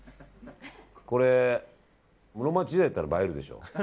これ、室町時代だったら映えるでしょ。